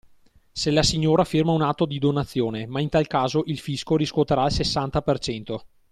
Se la signora firma un atto di donazione, ma in tal caso il fisco riscuoterà il sessanta per cento.